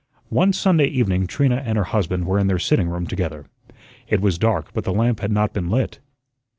One Sunday evening Trina and her husband were in their sitting room together. It was dark, but the lamp had not been lit.